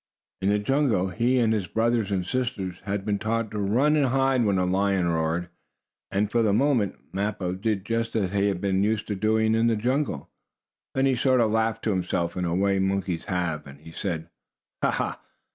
In the jungle he and his brothers and sisters had been taught to run and hide when a lion roared, and, for the moment, Mappo did just as he had been used to doing in the jungle. Then he sort of laughed to himself, in a way monkeys have, and he said: "Ha! Ha!